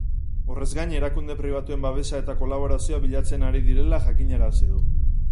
Horrez gain, erakunde pribatuen babesa eta kolaborazioa bilatzen ari direla jakinarazi du.